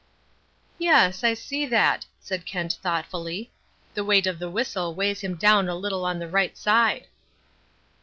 "Yes, I see that," said Kent thoughtfully. "The weight of the whistle weighs him down a little on the right side."